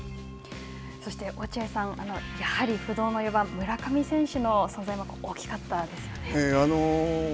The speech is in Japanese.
そして、落合さん、やはり不動の４番村上選手の存在は大きかったですよね。